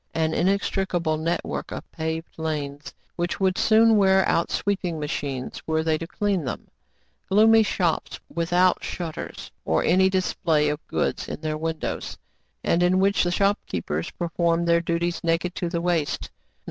An inextricable network of paved lanes, which would soon wear out sweeping machines, were they to clean them ; gloomy shops, without shutters or any display of goods in their windows, and in which the shop keepers perform their duties naked to the waist ; not.